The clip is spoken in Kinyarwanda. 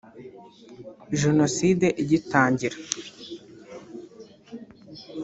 Jenoside igitangira